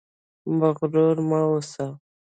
مغرور مه اوسئ